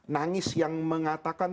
nangis yang mengatakan